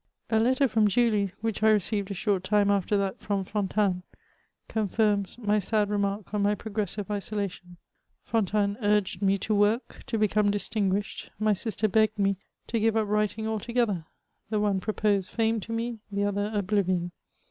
A letter from Julie^ M^Mch I received a short time after that from Fontanes, confirms my sad remark on my progressive isola tion. Fontanes urged me to work, to become distinguished; my sister begged me to give up writing altogether: the one proposed fame to me, the other oblivion.